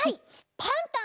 パンタン！